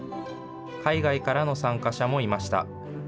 海外からの参加者もいました。